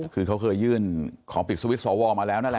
คือเขาเคยยื่นขอปิดสวิตช์สวมาแล้วนั่นแหละ